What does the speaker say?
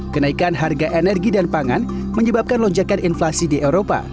kenaikan harga energi dan pangan menyebabkan lonjakan inflasi di eropa